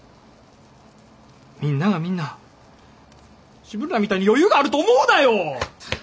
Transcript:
みんながみんな自分らみたいに余裕があると思うなよ！